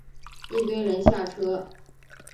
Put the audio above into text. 一堆人下车